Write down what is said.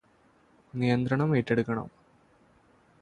നിയന്ത്രണം ഏറ്റെടുക്കണം